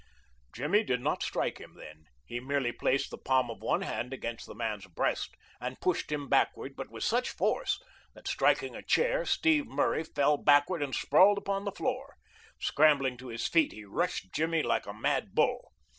Jimmy did not strike him then. He merely placed the palm of one hand against the man's breast and pushed him backward, but with such force that, striking a chair, Steve Murray fell backward and sprawled upon the floor. Scrambling to his feet, he rushed Jimmy like a mad bull.